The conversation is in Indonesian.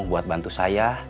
buat bantu saya